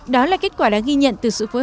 đó là kết quả đã ghi nhận từ sự phổ biến